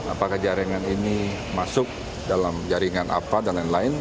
apakah jaringan ini masuk dalam jaringan apa dan lain lain